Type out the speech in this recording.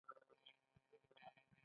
ښه به دا وي کوم مشر وي همغه دې وخوري.